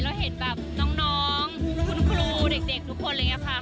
แล้วเห็นแบบน้องคุณครูเด็กทุกคน